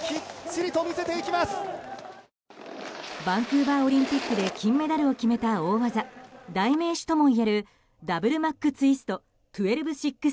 バンクーバーオリンピックで金メダルを決めた大技代名詞ともいえるダブルマックツイスト１２６０。